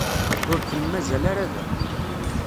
Ur kem-mazal ara da.